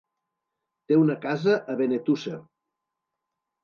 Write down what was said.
Té una casa a Benetússer.